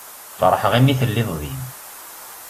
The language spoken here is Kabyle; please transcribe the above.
Feṛḥeɣ imi telliḍ din.